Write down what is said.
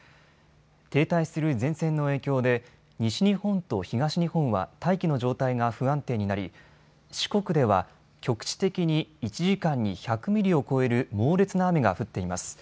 停滞する前線の影響で西日本と東日本は大気の状態が不安定になり四国では局地的に１時間に１００ミリを超える猛烈な雨が降っています。